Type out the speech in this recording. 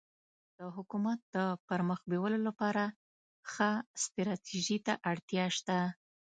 د حکومت د پرمخ بیولو لپاره ښه ستراتيژي ته اړتیا سته.